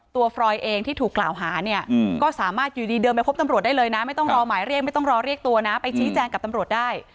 ฟรอยเองที่ถูกกล่าวหาเนี่ยก็สามารถอยู่ดีเดินไปพบตำรวจได้เลยนะไม่ต้องรอหมายเรียกไม่ต้องรอเรียกตัวนะไปชี้แจงกับตำรวจได้